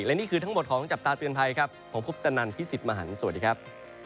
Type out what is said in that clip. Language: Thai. และนี่คือทั้งหมดของจับตาเตือนภัยครับผมพุทธนันพี่สิทธิ์มหันฯสวัสดีครับ